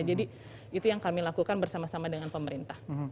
itu yang kami lakukan bersama sama dengan pemerintah